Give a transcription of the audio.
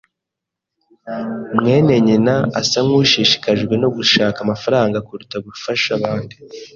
mwene nyina asa nkushishikajwe no gushaka amafaranga kuruta gufasha abandi.